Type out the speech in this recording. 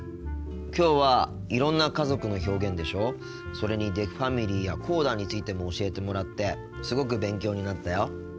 きょうはいろんな家族の表現でしょそれにデフファミリーやコーダについても教えてもらってすごく勉強になったよ。